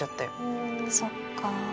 そっか。